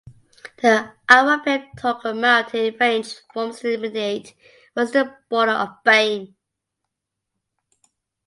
The Akwapim Togo mountain range forms the immediate western border of Bame.